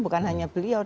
bukan hanya beliau